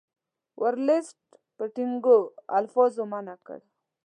ورلسټ په ټینګو الفاظو منع کړ.